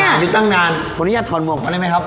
มองหาอยู่ตั้งนานอย่างนี้อยากถอดหมวกได้ไหมครับ